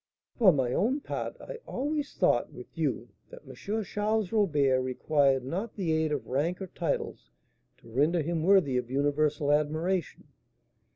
"For my own part, I always thought, with you, that M. Charles Robert required not the aid of rank or titles to render him worthy of universal admiration.